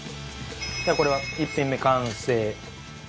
これは１品目完成。